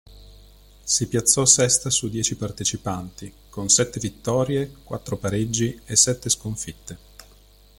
Si piazzò sesta su dieci partecipanti con sette vittorie, quattro pareggi e sette sconfitte.